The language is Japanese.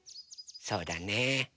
そうだね。